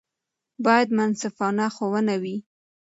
باید منصفانه ښوونه وي.